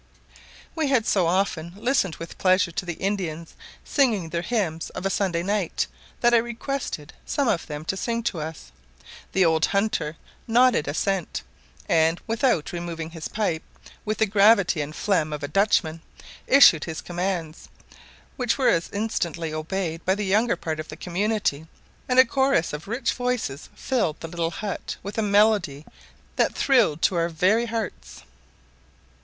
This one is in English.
We had so often listened with pleasure to the Indians singing their hymns of a Sunday night that I requested some of them to sing to us; the old hunter nodded assent; and, without removing his pipe, with the gravity and phlegm of a Dutchman, issued his commands, which were as instantly obeyed by the younger part of the community, and a chorus of rich voices filled the little hut with a melody that thrilled to our very hearts.